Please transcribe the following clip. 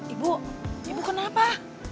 ibu ibu kenal apa